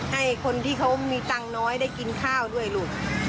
ให้คนที่เขามีตังค์น้อยได้กินข้าวด้วยลูก